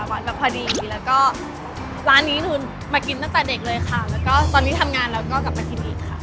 วัดแล้วพอดีแล้วก็ร้านนี้คือมากินตั้งแต่เด็กเลยค่ะแล้วก็ตอนนี้ทำงานแล้วก็กลับมากินอีกค่ะ